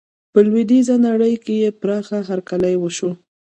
په لویدیزه نړۍ کې یې پراخه هرکلی وشو.